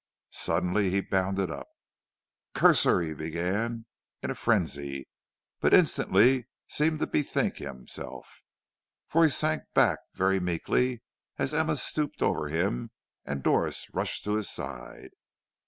"Suddenly he bounded up. "'Curse her!' he began, in a frenzy; but instantly seemed to bethink himself, for he sank back very meekly as Emma stooped over him and Doris rushed to his side.